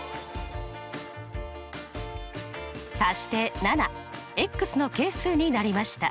足して７。の係数になりました。